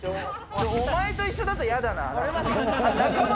お前と一緒だと嫌だな。